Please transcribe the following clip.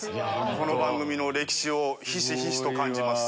この番組の歴史をひしひしと感じます。